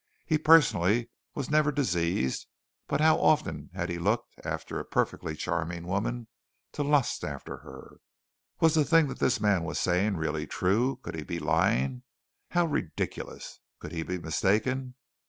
He personally was never diseased, but how often he had looked after a perfectly charming woman to lust after her! Was the thing that this man was saying really true? Could he be lying? How ridiculous! Could he be mistaken?